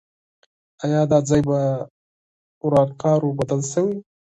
آیا دا ځای په ورانکاریو بدل سوی؟